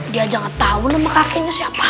dia jangan tahu nama kakinya siapa